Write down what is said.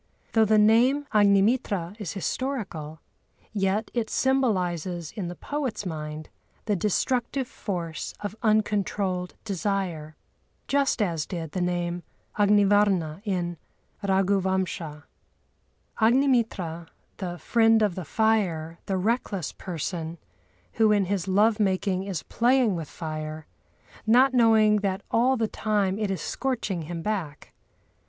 Though the name Agnimitra is historical, yet it symbolises in the poet's mind the destructive force of uncontrolled desire—just as did the name Agnivarna in Raghuvamsha. Agnimitra, "the friend of the fire," the reckless person, who in his love making is playing with fire, not knowing that all the time it is scorching him black.